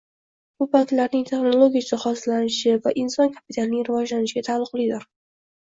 Bu banklarning texnologik jihozlanishi va inson kapitalining rivojlanishiga taalluqlidir